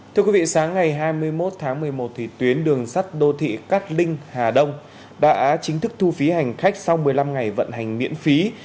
thưa quý vị sáng ngày hai mươi một tháng một mươi một tuyến đường sắt đô thị cát linh hà đông đã chính thức thu phí hành khách sau một mươi năm ngày vận hành miễn phí